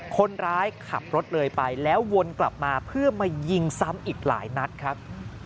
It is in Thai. คนร้ายขับรถเลยไปแล้ววนกลับมาเพื่อมายิงซ้ำอีกหลายนัดครับ